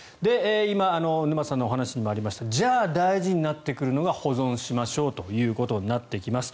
今、沼津さんのお話にもありましたじゃあ、大事になってくるのが保存しましょうということになってきます。